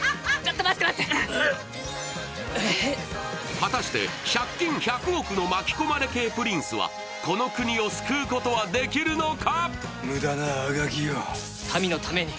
果たして借金１００億の巻き込まれ系プリンスはこの国を救うことはできるのか。